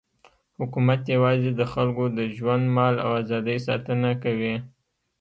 حکومت یوازې د خلکو د ژوند، مال او ازادۍ ساتنه کوي.